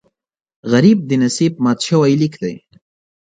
غریب د نصیب مات شوی لیک دی